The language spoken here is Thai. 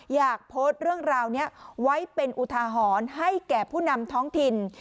อยากโพสต์เรื่องราวนี้ไว้เป็นอุทาหรณ์ให้แก่ผู้นำท้องถิ่น